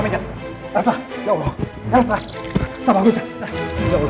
jangan kekal juga denganhe coordinator